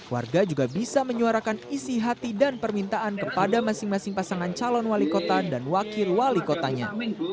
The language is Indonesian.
warga juga bisa menyuarakan isi hati dan permintaan kepada masing masing pasangan calon wali kota dan wakil wali kotanya